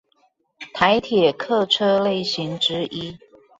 台鐵客車類型之一